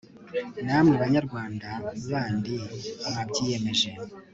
namwe banyarwanda bandi mwabyiyemeje